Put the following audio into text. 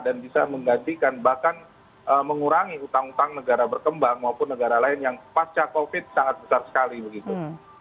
dan bisa menggantikan bahkan mengurangi utang utang negara berkembang maupun negara lain yang pasca covid sangat besar sekali begitu